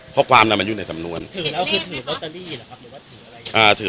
ข้อความนั้นมันอยู่ในสำดนวนเข็นเรียบมั้ยคะถือ